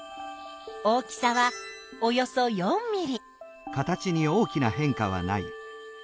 大きさはおよそ４ｍｍ。